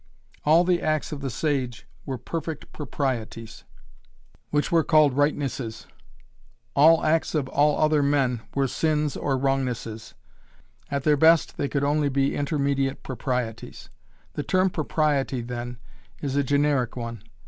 All the acts of the sage were "perfect proprieties," which were called "rightnesses." All acts of all other men were sins or "wrongnesses." At their best they could only be "intermediate proprieties." The term "propriety," then, is a generic one.